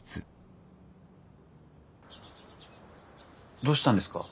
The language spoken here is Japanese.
どうしたんですか？